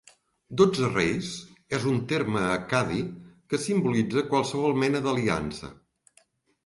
"Dotze reis" és un terme accadi que simbolitza qualsevol mena d'aliança.